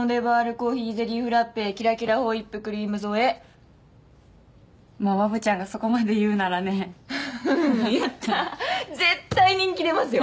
コーヒーゼリーフラッペキラキラホイップクリーム添えまあわぶちゃんがそこまで言うならねははっやったー絶対人気出ますよ